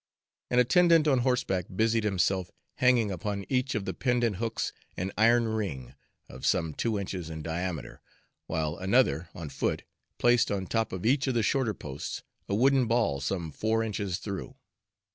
An attendant on horseback busied himself hanging upon each of the pendent hooks an iron ring, of some two inches in diameter, while another, on foot, placed on top of each of the shorter posts a wooden ball some four inches through.